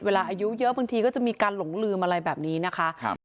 อายุเยอะบางทีก็จะมีการหลงลืมอะไรแบบนี้นะคะ